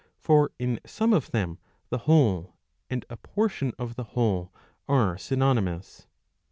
^ For in some of them the whole and a portion of the whole are synonymous.